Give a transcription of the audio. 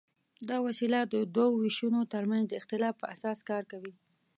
دا وسیله د دوو وېشونو تر منځ د اختلاف په اساس کار کوي.